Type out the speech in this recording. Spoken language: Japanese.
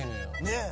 ねえ。